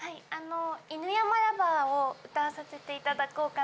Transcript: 「犬山ＬＯＶＥＲ」を歌わさせていただこうかな。